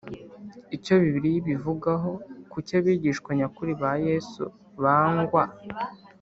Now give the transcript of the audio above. Icyo Bibiliya ibivugaho Kuki abigishwa nyakuri ba Yesu bangwa